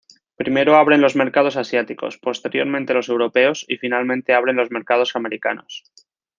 Primero abren los mercados asiáticos, posteriormente los europeos y finalmente abren los mercados americanos.